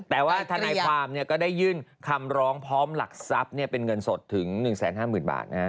แต่ว่าทนายความก็ได้ยื่นคำร้องพร้อมหลักทรัพย์เป็นเงินสดถึง๑๕๐๐๐บาท